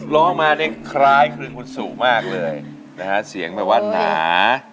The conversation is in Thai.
ร้องมาเนี้ยคล้ายคืนหุดสูงมากเลยนะฮะเสียงแปลว่าหนา